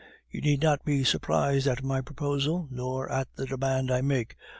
You need not be surprised at my proposal, nor at the demand I make.